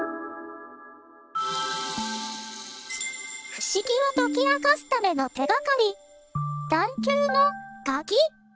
不思議を解き明かすための手がかり